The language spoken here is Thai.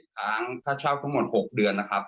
ค้างค่าเช่าทั้งหมด๖เดือนนะครับ